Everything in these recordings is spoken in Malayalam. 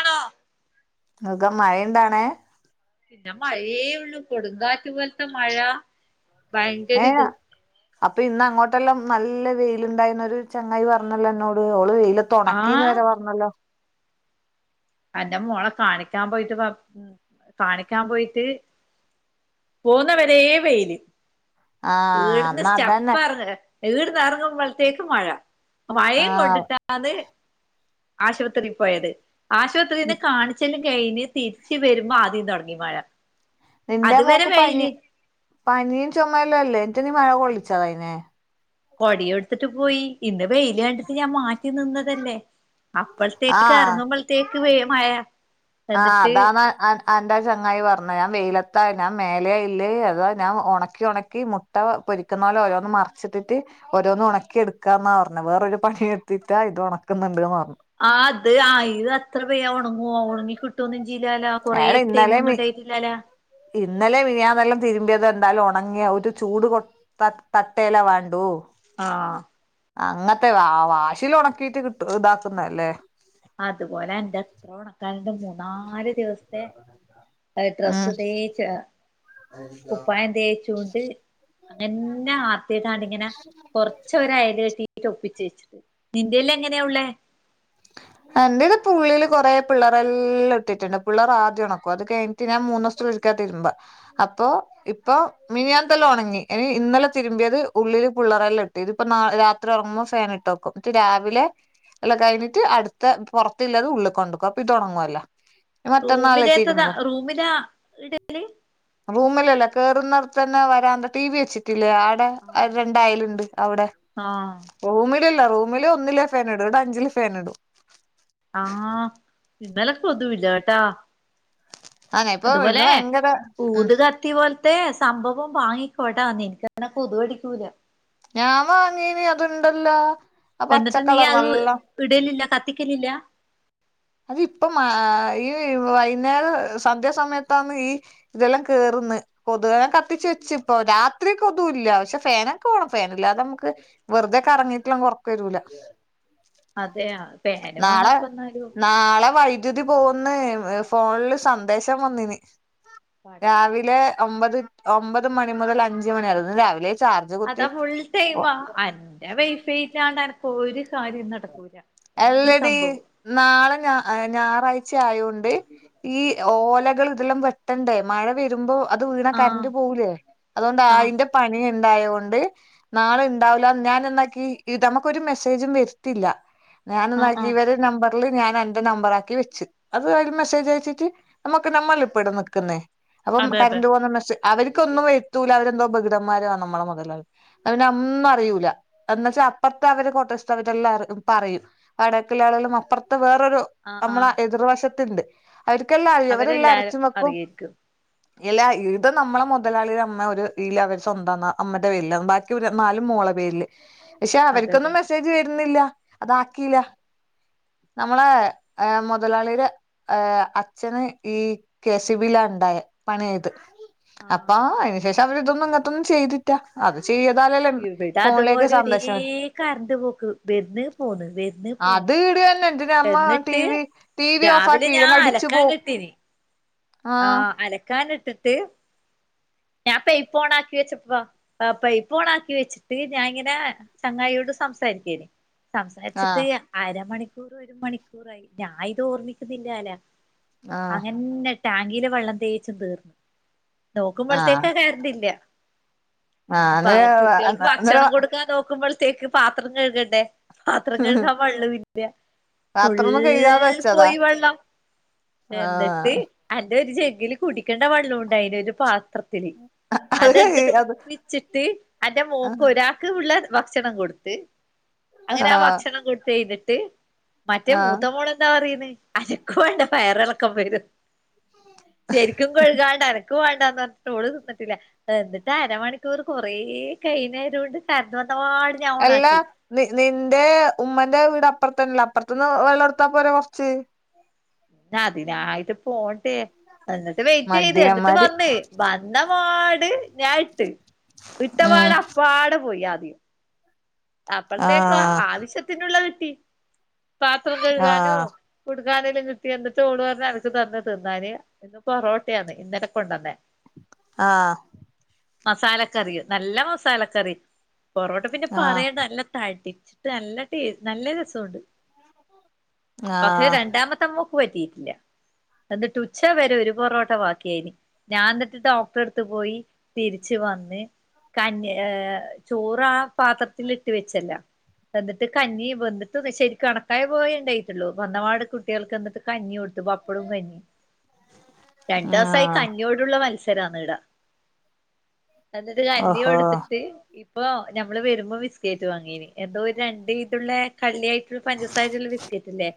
ആണോ നിങ്ങക്ക്‌ മഴ ഉണ്ടോ അവിടെ പിന്നെ മഴയേ ഉള്ളു കൊടുങ്കാറ്റുപോലത്തെ മഴ ഭയങ്കര ഹേയാ ഇത് അപ്പൊ ഇന്ന് അങ്ങോട്ടെല്ലാം നല്ല വെയിലുണ്ടായിന്നൊരു ചങ്ങായി പറഞ്ഞല്ലോ എന്നോട് ഓള് വെയില് ആഹ് ട്ടൊണക്കീന്നുവരെ പറഞ്ഞല്ലോ എന്റെ മോളെ കാണിക്കാൻ പോയിട്ട് പറ കാണിക്കാൻ പോയിട്ട് പോന്ന വരെ വെയില് ആഹ് വീടിൻറെ എന്നാ അതന്നെ സ്റ്റെപ്പ് എറങ്ങി വീട്ന്ന് ഇറങ്ങുമ്പളത്തേക്കും മഴ മഴയും ആഹ് കൊണ്ടിട്ടാ അത് ആശുപത്രിപോയത് ആശുപത്രീന്ന് കാണിച്ചലും കഴിഞ്ഞ് തിരിച്ചുവരുമ്പോ ആദ്യം തൊടങ്ങി മഴ നിന്റെ അതുവരെ മോക്ക് പനി വെയില് പനിയും ചൊമയെല്ലാല്ലേ എന്നിറ്റിനി മഴ കൊള്ളിച്ചാ അയിനെ കൊടയും എടുത്തിട്ടുപോയി ഇന്നുവെയില് കണ്ടിട്ട് ഞാൻ മാറ്റി റ്റി നിന്നതല്ലേ അപ്പളത്തേക്ക് ആഹ് എറങ്ങുമ്പളത്തേക്ക് വേ മയ ആ അതാണ് അ അന്റെ ചങ്ങായിപറഞ്ഞെ ഞാൻ വെയിലത്താ ഞാൻ മേലേയില്ലേ അതാ ഞാൻ ഒണക്കി ഒണക്കി മൊ ട്ട പൊരിക്കുന്നൊലെ ഓരോന്ന് മറിച്ചിട്ടിട്ട് ഓരോന്ന് ഒണക്കി എടുക്കാന്നാ പറഞ്ഞെ വേറൊരു പണിയെടുത്തിട്ടാ ഇത് ഒണക്കുന്നുണ്ട്ന്ന് പറഞ്ഞു ആ അത് ആയിത് അത്രവേഗം ഒണങ്ങുവൊ ഒണങ്ങികിട്ടുവോന്നെജ്ജില്ലാല കൊറേ എടാ ഇന്നലെ മി ടൈമൊന്നുണ്ടായി ഇല്ലാല ഇന്നലെ മിഞ്ഞാന്നെല്ലാം തിരുമ്പിയത് എന്താലും ഒണങ്ങിയ ഒരുചൂട് കൊട് ത തത്തേയ്ല വാണ്ടു ആഹ് അങ്ങത്തെ വ വാശില് ഒണക്കിട്ട് കിട്ട് ഇതാക്കുന്നല്ലേ അതുപോലെ എന്റെ എത്ര ഒണക്കാന്ണ്ട് മൂന്നാല് ദിവസ്ത്തെ അഹ് ഉം ഡ്രസ്സ് തേച്ച്ഹ് കുപ്പായം തേചൂണ്ട് അങ്ങൻനെ ആത്തിട്ടാണ്ട് ഇങ്ങനെ കൊറച്ച് വരെ അയല് കെട്ടി ട്ട് ഒപ്പിച്ചേച്ച്ട്ട് നിന്റേല് എങ്ങനെയാ ഉള്ളേ എന്റേത് പുള്ളില് കൊറേ പിള്ളേരെ എല്ലാം ഇട്ടിറ്റ്ണ്ട് പിള്ളേർ ആദ്യം ഒണക്കും അത് കെഴ്‌ഞ്ഞ് റ്റ് ഞാൻ മൂന്നുസ്ത്തിലൊരിക്ക്യാ തിര്മ്പ അപ്പൊ ഇപ്പൊ മിനിയാൻത്തെല്ലാം ഒണങ്ങി ഇനി ഇന്നലെ തിരുമ്പിയത് ഉള്ളില് പിള്ളറല്ലാം ഇട്ട് ഇതിപ്പ നാ രാ ത്രി ആവുമ്മൊ ഫേനിട്ടെക്കും ന്ന്ട്ട് രാവിലെ എല്ലം കഴിഞ്ഞിട്ട് അട് ത്ത പൊറത്തില്ലത് ഉള്ളികൊണ്ടക്കും അപ്പിതൊണങ്ങൊല്ലോ റൂമിലെത്തത് റൂമിലാ ഇടല് റൂമിലല്ല കേറുന്നട്തന്നെ വരാന്താ ടി വി വെച്ചിട്ടില്ലേ ആ ടെ ആഹ് രണ്ടയല്ണ്ട് അവിടെ ആഹ് റൂമിലല്ല റൂമില് ഒന്നിലേ ഫാൻ ഇടൂ വ്ടെ അഞ്ചില് ഫാൻ ഇടും ആഹ് ഇന്നലൊക്കൊതുവില്ലകെട്ടാ അങ്ങനെ ഇപ്പൊ ഇന്ന് അതുപോലെ ഭയങ്കര ഉം ഊത്ക ത്തി പോൽത്തെ സംഭവം വാങ്ങിക്കോട്ടാ നിൻക്കങ്ങനെ കൊതുകടിക്കൂല ഞാവാങ്ങീനി അത്ണ്ടല്ലോ ആ എന്നിട്ട് നീ പച്ചക്കളർ അത് നല്ലം ഇടലില്ല കത്തിക്കലില്ല അത് ഇപ്പൊ മാ ഈ വൈന്നേരം സന്ധ്യാസമയത്താണ് ഈ ഇതെല്ലാം കേറ്ന്ന് കൊത് വേ ഞാ കത്തിച്ച് വെച്ച് പ്പൊ രാത്രി കൊതു ഇല്ല പക്ഷെ ഫേനൊക്കെവാണം ഫേൻ ഇല്ലാതെ നമുക്ക് വെർതെ കറങ്ങിട്ട്ല്ലെൻങ്കെ ഒർക്കെരൂല അതെയാ പേന് വാണോപ്പെന്നാലും നാളെ വൈദ്യുതി പോവുന്ന് ഫോണില് സന്ദേശം വന്നിന് പട രാവിലെ ഒമ്പത് ഒമ്പത് മണി മുതൽ അഞ്ച് മണിയായിരുന്നു രാവിലെ ചാർജ് കുത്തി അതാ ഫു ൾ ടൈമാ അൻ ഞാ വൈഫൈയിറ്റാണ്ട് എനക്ക് ഒരു കാര്യം നടക്കൂല എന്ത് അല്ലടി സംഭവോം നാളെ ഞ ഞായറാഴ്ച ആയോണ്ട് ഈ ഓലകൾ ഇതെല്ലാം വെട്ടണ്ടേ മഴ വെര്മ്പോ അത് വീണ ആഹ് കര്ന്റ് പോവൂലേ അതോണ്ട് ആഹ് ആയിന്റെ പനിയിണ്ടായോണ്ട് നാളെ ഇണ്ടാവുല ഞാനെന്നാക്കി ഇതമ്മക്കൊരു മെസ്സേജും വെര് ത്തില്ല ആഹ് ഞാനൊന്നാക്കി ആഹ് ഇവരെ നമ്പർല് ഞാൻ എന്റെ നമ്പറാക്കി വെച്ച് അത് അയ്ല് മെസ്സേജ് അയച്ചിറ്റ് - നമ്മക്ക് നമ്മള് ഇപ്പെടെ നിക്ക്ന്നേ അപ്പം അതെ അതെ കര്ണ്ട് പോന്ന മെസ്സേ അവര്ക്കൊന്നും എത്തൂല അവരെന്തോ ബധിരന്മാരാ നമ്മളെ മൊതലാളി അഹ് പിന്നെ ആഹ് ഒന്നറിയൂല എന്നച്ച അപ്പർത്തെ അവരെ കോട്ടേഴ്‌സ്ത്തെ അവര് ട്ടെല്ലാറ് പറയും വടക്ക്ള്ളോളെല്ലം അപ്പർത്ത് വേറൊരു ആഹ് നമ്മളെ ആഹ് എതിർവശത്ത്ണ്ട് അവര്ക്കെല്ലാം അറിയും അവരെല്ലാം അവരെല്ലാരും അരച്ചുംവെക്കും അറിയായിരിക്കും എല ഇത് നമ്മളെ മൊതലാളി അമ്മ ഒരു ഇല അവര് സ്വന്തംന്നാ അമ്മടെ പേരിലാ ബാക്കിവര് നാലും മോളെ പേരില് പക്ഷെ അതെ അവര്ക്കൊന്നും അതെ മെസ്സേജ് വരുന്നില്ല അതാക്കിയില്ല നമ്മളെ എഹ് മുതലാളിടെ ഏ അച്ഛന് ഈ കെസിബിലാ ണ്ടായേ പണി ചെയ്ത് അപ്പ ആഹ് അയ്ന് ശേഷം അവരിതൊന്നും ഇങ്ങത്തൊന്നും ചെയ്ത്റ്റാ അത് ചെയ്താലല്ലേ ഫോണിലേക്ക് സന്ദേശം വെ ക്കരണ്ട് പോക്ക് വെര്ന് പോന്ന് വെര്ന് പോന്ന് അത് ഇട തന്നെ എന്തിന അമ്മ ടി എന്നിട്ട് വി ടി വി ഓഫ് രാവിലെ ഞാ ആക്കിയില്ലെങ്കിൽ അടിച്ചു പോവും അലക്കാനിട്ടിനി ആഹ് അലക്കാൻ ഇട്ടിട്ട് ഞാൻ പെെപ്പോണാക്കെച്ചു പ്പോ ആഹ് പൈപ്പോൺ ആക്കി വെച്ചിട്ട് ഞാനിങ്ങനെ ചങ്ങായിയോട് സംസാരിക്കേര്ന്നു സംസാരിച്ചിട്ട് ആഹ് അരമണിക്കൂറ് ഒരു മണിക്കൂറായി ഞാ ഇത് ഓർമിക്കുന്നില്ലാല ആഹ് അങ്ങന്നെ ടാങ്കീലെ വെള്ളം തേച്ചും തീർന്ന് നോക്കുമ്പൾ ആഹ് കരന്റില്ല ഭാ ആഹ് അത് കുട്ട്യാൾക്ക് ഇന്നലെ ഭക്ഷണം കൊടുക്കാ നോക്കുമ്പൾ ത്തേക്ക് പാത്രം കഴ്കണ്ടേ പാത്രം കഴ്കാം വള്ളവില്ല പാത്രൊന്നും കഴുകാതെ ഫുള്ള് വെച്ചതാ പോയി വെള്ളം ആഹ് എന്നിട്ട് അന്റെ ഒരു ജെഗ്ഗില് കുടിക്കേണ്ട വെള്ളാേണ്ടായിന് ഒരു പാത് ത്തി അത് കഴ് ഇട്ത്തിട്ട് അത് ഒപ്പിച്ചിട്ട് അന്റെ മോക്ക് ഒരാ ക്ക് ഉള്ള ഭക്ഷണം കൊടുത്ത് അങ്ങനെ ആ ആഹ് ഭക്ഷണം കൊടുത്തെയ്ഞ്ഞിട്ട്- മറ്റേ ആഹ് മൂത്ത മോള് എന്താ പറീന്ന് അനക്ക് വേണ്ട വയറളക്കം വരും ശര്ക്കും കെഴുകാണ്ടെ അനക്ക് വേണ്ടാന്ന് പറഞ്ഞ് ട്ട് ഓള് തിന്ന്ട്ടില്ല എന്നിട്ട് അരമണിക്കൂർ കൊറേ കൈ നേരം ഉണ്ട് കരന്റ് വന്നപാട് ഞാൻ അല്ലാ ഓണാക്കി നി നിന്റെ ഉമ്മന്റെ വീട് അപ്പറത്തന്നെല്ലേ അപ്പർത്ത്ന്ന് വെള്ളം എടുത്താ പോരെ കൊർച്ച് ഞാഇതിനായിട്ട് പോണ്ടേ അന്നിട്ട് വെയിറ്റെയ്ത് എന്നിട്ട് മടിയന്മാര് വന്ന് വന്നപാട് ഞാഇട്ട് ഉം വിട്ടപാട് അപ്പാട പോയി ആദ്യം അപ്പൾത്തേക്ക് ആഹ് ആവശ്യത്തിനുള്ള കിട്ടി പാത്രം കഴുകാനോ ആഹ് കുട്ക്കാനെല്ലാം കിട്ടി എന്നിട്ട് ഓള് പറഞ്ഞ് എനക്ക് തന്നു തിന്നാന് ഇന്ന് പൊറോട്ടയാന്ന്യ ഇന്നലെക് കൊണ്ടന്നെ ആഹ് മസാലക്കറി നല്ല മസാലക്കറി പൊറോട്ട പിന്നെ ആഹ് പറയണ്ട നല്ല തട്ടിച്ചിട്ട് നല്ല ടേ നല്ല രസഒണ്ട് പക്ഷെ ആഹ് രണ്ടാമത്തെ മോക്ക് പറ്റീറ്റില്ല എന്നിട്ട് ഉച്ച വരെ ഒരു പൊറോട്ട വാക്കിയയിന് ഞാൻ ന്നിട്ട് ഡോക്ടറെട്ത്ത് പോയി തിരിച്ച് വന്ന് കഞ് ഏ് ചോറ് ആ പാത്രത്തിലി ഇട്ട് വെച്ചല്ല വെന്ത്ട്ട് കഞ്ഞി വെന്ത്ട്ടൊന്ന് ശരിക്ക് കണക്കായ പോയേ ഉണ്ടായിട്ടുള്ളു വന്നപാട് കുട്ടികൾക്ക് എന്ന്ട്ട് കഞ്ഞി ഒടുത്തു പപ്പടും കഞ്ഞിം രണ്ട്സായി ആഹ് കഞ്ഞ ഞ്ഞോടുള്ള മത്സരാന്ന്ടാ എന്നിട്ട് ഓഹോ കഞ്ഞൊട്ത്തിട്ട് ഇപ്പോ- ഞമ്മള് വരുമ്പോ ബിസ്കറ്റ് വാങ്ങീനി എന്തോ ഒരു രണ്ട് ഇതുള്ള കള്ള്യായി ഫുൾപഞ്ചസാരുള്ള ബിസ്ക്കേറ്റ്ല്ലേ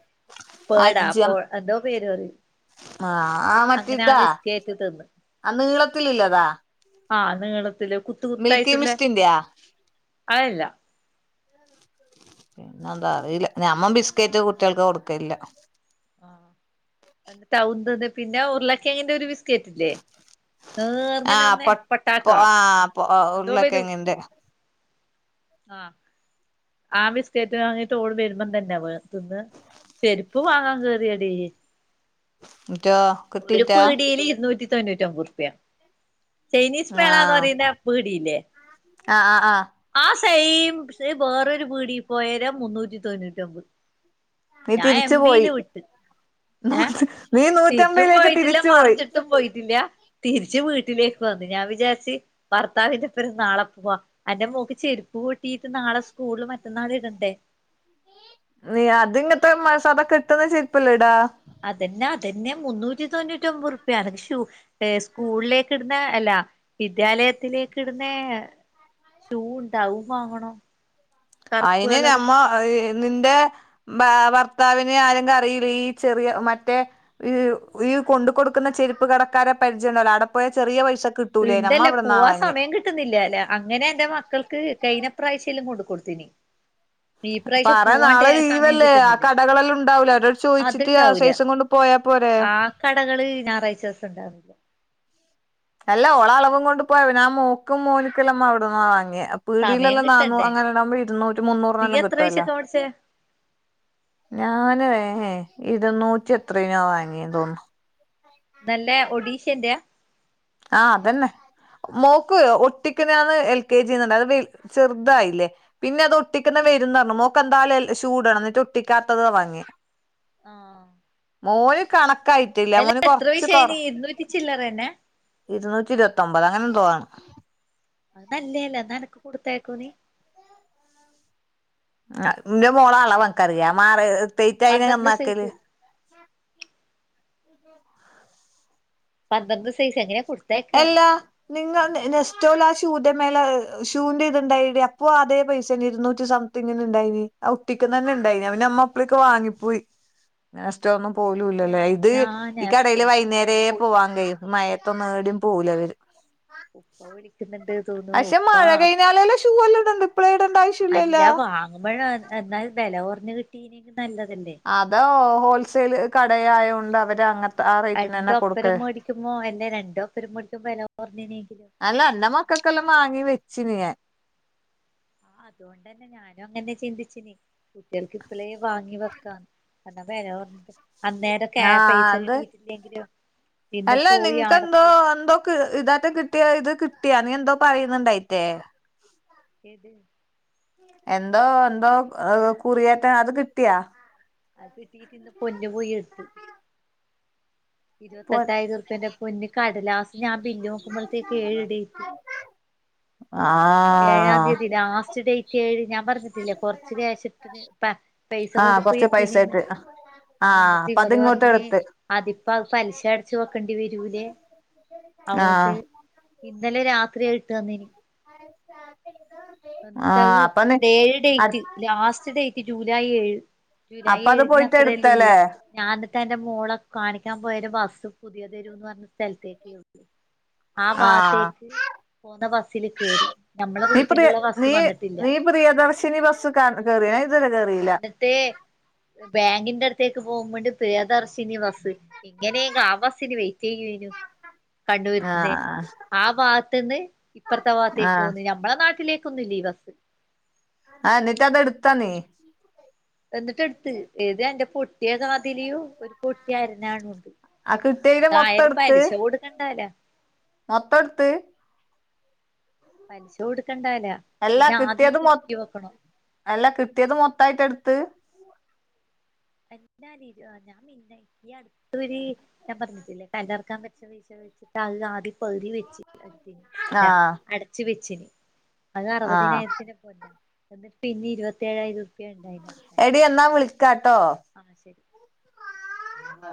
പോടാ അജ്ജം പ്പാേ എന്തോ പേര് പറിം ആഹ് ആഹ് മറ്റേ ഇതാ തിന്ന് അന്നീളത്തിലില്ലതാ ആഹ് നീളത്തില് മിൽക്കി മിസ്റ്റ്ന്റെയാ അഅല്ല ന്നതാവില്ലാ നമ്മ ബിസ്ക്കറ്റ് കുട്ട്യാൾക്ക് കൊടുക്കല്ല ആഹ് ടൗത് തിപ്പിന്റെ ഉർളകേങ്ങിന്റെ ഒരു ബിസ്കറ്റ് ഇല്ലേ ആ ന്നിർങ്ങനെ ഒന്ന് പ പ്പൊ പൊട്ടാട്ടോ ആ എന്തോ വരും ഉരുളക്കെങ്ങിന്റെ [inaudible] ആഹ് ആ ബിസ്കേറ്റ് വാങ്ങീട്ടോള് വെരുമ്പം തന്നെ വെ തിന്ന് ചെരിപ്പ് വാങ്ങാൻ കേറിയെടീ റ്റോ ഒരു കിട്ടീറ്റാ പീടീല് ഇരുന്നൂറ്റി താെഞ്ഞുറ്റൊമ്പ ഉർപ്യ ചൈനീസ് ആ മേളാന്ന് പറീന്ന പീടിയില്ലേ ആ ആ ആ ആ സൈയിം ഇതേ വേറൊരു പീടീ പോയേരം മുന്നൂറ്റി തൊണ്ണൂറ്റിഒമ്പെ നീ ഞാൻ എം തിരിച്ചു ബി പോയി യില് വിട്ട് ഏഹ് നീ തിര്ച്ചും നൂറ്റമ്പതിലേക്ക് പോയിട്ടില്ല തിരിച്ചു പോയി മറിച്ചിട്ടും പോയിട്ടില്ല തിരിച്ച് വീട്ടിലേക്ക് വന്നു ഞാൻ വിചാര്ച്ച് ഭർത്താവിന്റൊപ്പം നാളെ പോവാ അന്റെ മോക്ക് ചെര്പ്പ് പൊട്ടീട്ട് നാളെസ് സ്കൂളില് മറ്റന്നാളിം ഇടണ്ടേ നീ അത് ഇങ്ങത്തെ മസാദാ കെട്ട്ണ ചെരിപ്പല്ലെ ഇടാ. അതന്നെ അതന്നെ മുന്നൂറ്റി തൊണ്ണൂറ്റി ഒമ്പത് റുപ്യയാണ് ഷൂ. സ്കൂളിലേക്ക് ഇടുന്ന അല്ല വിദ്യാലയത്തിലേക്ക് ഇടുന്ന. ഷൂ ഉണ്ടാവും അതും വാങ്ങണം അയിന് നമ്മ നിന്റെ. ഭാ ഭർത്താവിനെ ആരെങ്കിലും അറിയില്ല ഈ ചെറിയ മറ്റേ ഈ ഈ കൊണ്ട് കൊടുക്ണ ചെരുപ്പ് കടക്കാരെ പരിചയ ഉണ്ടല്ലോ അടെ പോയ ചെറിയ പൈസക്. ട്ടൂലെ നമ്മളവ്ടന്നാ വാങ്ങിയെ ക്കുന്നില്ലേ ല്ലേ അങ്ങനെ എൻ്റെ മക്കൾക്ക് കൈഞ്ഞ പ്രാവശ്യെല്ലാം കൊണ്ട് കൊടുത്തിനി. പറ നാളെ സമയം ലീവല്ലേ ആ കിട്ടുന്നില്ല കടകളെല്ലാം ഉണ്ടാവില്ല അവരോട് ചോദിച്ചിട്ട് ആ അത്ണ്ടാവൂല സൈസും കൊണ്ട്. പോയാ പോരെ? ആ കടകള് ഞായറാഴ്ച ദിവസം ഉണ്ടാവില്ല. അല്ല ഓളെ അളവും കൊണ്ട് പോയ പിന്നെ ആ മോക്കും മോനിക്കല്ലാം അവിടന്നാ വാങ്ങിയ. സമയം പീടിയിലെല്ല നാനൂ കിട്ടണ്ടേ അങ്ങനെടാകുമ്പോ ഇരുന്നൂറ്റി മുന്നൂറിനല്ലാം കിട്ടുവല്ല. പട്ച്ചേ ഞാന് ഏ ഇരുന്നൂറ്റി എത്രേനോ വാങ്ങിയെന്ന് തോന്നുന്നു. നല്ല ഒഡീഷന്റെയാ? ആഹ് അതന്നെ. മോക്ക് ഒട്ടിക്കിനത് എൽ കെ ജിന്ന് അത് ചെറുതായില്ലേ? പിന്നെ അത് ഒട്ടിക്കുന്ന വരും പറഞ്ഞു മോക്ക് എന്തായലും ഷൂ ഇടണം എന്നിട്ട് ഒട്ടിക്കാത്തതാ വാങ്ങിയ. ആഹ് മോന് കണക്കായിട്ടില്ല മോന് കൊർച്ച് കൊർ. ചില്ലറ തന്നെ. ഇരുന്നൂറ്റി ഇരുപത്തൊമ്പത് അങ്ങനെ എന്തോ ആണ്. [unintelligible] ആഹ് ഇൻ്റെ മോളെ അളവ് അൻക്ക് അറീലേ പന്ത്രണ്ട് സൈസ് [unintelligible] പന്ത്രണ്ട് സൈസ് എങ്ങനെ കൊടു എല്ലാ. നിങ്ങ നെസ്റ്റോയിൽ ആ ഷൂന്റെ മേലെ ഷൂന്റെ ഇതുണ്ടായിടി അപ്പോ അതേ പൈസേന് ഇരുന്നൂറ്റി സം ത്തിങ്ങനെ ഇണ്ടായിനി ആ ഒട്ടിക്ക്ന്ന തന്നെ ഇണ്ടായിനി അവന് അമ്മപ്പളേക്ക് വാങ്ങിപ്പോയി നെസ്റ്റോന്നും. പോലൂല്ല അതെയാ ല്ലേ ഇത് ഞാൻ ഈ കടേൽ ആസ്റ്റോന്റെടുത്തൊന്നും വൈകുന്നേരേ പോവാൻ പോയിട്ടില്ല കഴിയും മയത്തൊന്ന എടിം പോകൂല അവര്. ഉപ്പ വിളിക്കുന്നുണ്ട്. തോന്നുന്നു പക്ഷെ ഉപ്പ മഴ കഴിഞ്ഞാലേല്ല ഷൂ എല്ലാം ഇടണ്ട ഇപ്പളേ ഇടേണ്ട ആവശ്യല്ലല്ലോ? [unintelligible] എന്നാൽ വെല കൊർഞ്ഞ്, കിട്ടീനേങ്കി നല്ലതല്ലേ? അതോ ഹോൾസെയിൽ കടയായോണ്ട് അവര് അങ്ങ രണ്ട് ഒപ്പരം മേടിക്കുമ്പോ അല്ലേ രണ്ടോപ്പരം മേടിക്കുമ്പോ വെല കൊറഞ്ഞിനി. [unintelligible] മക്കക്കെല്ലാം വാങ്ങി വെച്ചിന് ഞാൻ. ആ അതുകൊണ്ട് തന്നെ ഞാനും അങ്ങനെ ചിന്തിച്ചിന് കുട്ടികൾക്ക് ഇപ്പളേ വാങ്ങി വെക്കാ എന്നാ വെല അന്നേരക്കെ ആ ആഹ് പൈസ അത് കിട്ടിട്ടില്ലെങ്കില് പിന്നെ പോയി ആടെ ക്ക് ഇതാറ്റം കിട്ടിയ ഇത് കിട്ടിയ നീ എന്തോ പറയുന്നുണ്ടായിറ്റേ ഏത് എന്തോ എന്തോ കുറിയേറ്റ അത് കിട്ടിയാ അത് കിട്ടിട്ട് ഇന്ന് പൊന്ന് പോയി എടുത്ത് പോ ഇരുപത്തെട്ടായിരം ഉറുപേന്റെ പൊന്ന് കടലാസ് ഞാ ബില്ല് നോക്കുമ്പളത്തേക്ക് ഏഴ് ഡേറ്റ് ആഹ് ഏഴാം തീയതി ലാസ്റ്റ് ഡേറ്റ് ഏഴ് ഞാൻ പറഞ്ഞിട്ടില്ലേ കൊർച്ച് ക്യാഷ് ഇട്ടന് ആ കൊർച്ച് പൈസായിട്ട് ആ അപ്പൊ അതിങ്ങോട്ട് എടുത്ത് അതിപ്പോ പലിശ അടച്ചോക്കണ്ടി വെരൂലേ അവോണ്ട് ആഹ് ഇന്നലെ രാത്രി അഹ് ഇട്ട് തന്നിനി ആഹ് എന്നിട്ടഹ് [unintelligible] അപ്പൊ നീ അ ഡേറ്റ് ലാസ്റ്റ് ഡേറ്റ് ജൂലായ് ഏഴ് ജൂലൈ അപ്പ അത് ഏഴിന് പോയിട്ട് അത്രല്ലേള്ളൂ എട്ത്തല്ലേ ഞാൻ ഇന്ന്ട്ടെന്റെ മോളെ കാണിക്കാൻ പോയേരം ബസ്സ് പുതിയതെരുവ് പർഞ്ഞ സ്ഥലത്തേക്ക്യേള്ളു ആ ആഹ് ഭാത്തേക്ക് പോവുന്ന ബസ്സില് കേറി ഞമ്മളെ റൂ [unintelligible] നീ നീ പ്രിയദർശിനി ബസ്സ് കാ കറിയോ ഞാൻ ഇതുവരെ കേറിയില്ല തേ ഏഹ് ബാങ്കിന്റെ അട്ത്തേക്ക് പോവുമ്പണ്ട് പ്രിയദർശിനി ബസ്സ് എങ്ങനേങ്ങാ ആ ബസ്സിന് വെയിറ്റെയ്യുവേനു കണ്ണൂര്ന്ന് ആഹ് ആ ഭാത്ത്ന്ന് ഇപ്പറ്ത്തെ വാത്തേക്ക് ആഹ് പോന്ന് ഞ മ്മളെ നാട്ടിലേക്കൊന്നുയില്ല ഈ ബസ്സ് ആഹ് ഇന്നിട്ടത് എട്ത്തോന്നി എന്നിട്ടെട്ത്ത് ഏത് എന്റെ പൊട്ടിയ കാതിലിയും ഒരു പൊട്ടിയ അരഞ്ഞാണൂണ്ട് ആ കിട്ടിയേല് മൊത്തം അതായാലും പലിശ കൊടുക്കെണ്ടാല്ലോ മൊത്തോട്ത്ത് പലിശ കൊടുക്കണ്ടാല്ലോ എല്ലാ പിന്നെ ആദ്യം ഈ കിട്ടിയത് മൊ പുതുക്കി വെക്കണം അല്ല കിട്ടിയത് മൊത്തായിട്ടെട്ത്ത് എന്നാ [unintelligible] ആഹ് ഞാൻ പിന്നെ ഈയട്ത്തൊര് ഞാൻ പറ്ഞ്ഞിട്ടില്ലേ കല്ലറ്ക്കാൻ വെച്ച പൈസ വെച്ചിട്ട് അഹ് ആദ്യം പവുതി വെച്ച് അഹ് ഇട്ത്തീനി അല്ല ആഹ് അടച്ച് വെച്ച്നി അത് ആഹ് അറുവതിനായിരത്തിന് [unintelligible] എന്നിട്ട് പിന്നിം ഇരുപത്തിയേഴായിരം ഉറുപ്പ്യ ഇണ്ടായിനു അടക്കാൻ ടീ എന്നാ വുളിക്കാട്ടോ ആഹ് ശരി ആ